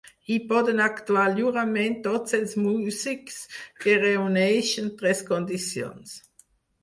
Hi poden actuar lliurement tots els músics que reuneixen tres condicions.